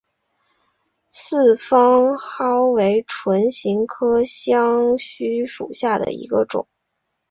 四方蒿为唇形科香薷属下的一个种。